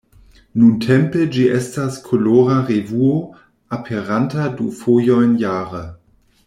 Nuntempe ĝi estas kolora revuo, aperanta du fojojn jare.